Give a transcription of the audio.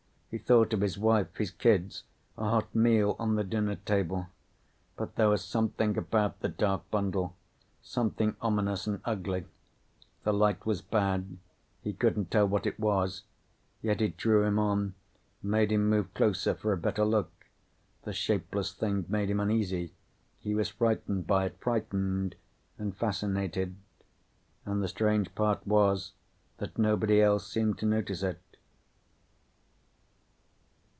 He thought of his wife, his kids, a hot meal on the dinner table. But there was something about the dark bundle, something ominous and ugly. The light was bad; he couldn't tell what it was. Yet it drew him on, made him move closer for a better look. The shapeless thing made him uneasy. He was frightened by it. Frightened and fascinated. And the strange part was that nobody else seemed to notice it.